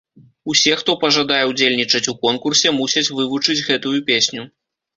Усе, хто пажадае ўдзельнічаць у конкурсе, мусяць вывучыць гэтую песню.